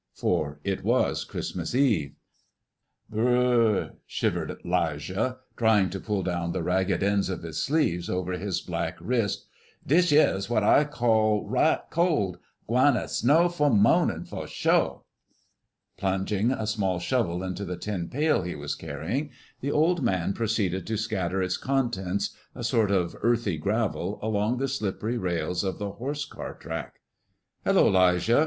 for it was Christmas Eve. "B r r r r," shivered 'Lijah, trying to pull down the ragged ends of his sleeves over his black wrist; "dis yere's what I call right cold. Gwine to snow 'fore mo'nin', for sho.'" Plunging a small shovel into the tin pail he was carrying, the old man proceeded to scatter its contents, a sort of earthy gravel, along the slippery rails of the horse car track. "Hullo, 'Lijah!"